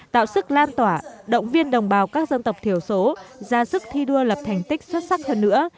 tạo sức lan tỏa động viên đồng bào các dân tộc thiểu số ra sức thi đua lập thành tích xuất sắc hơn nữa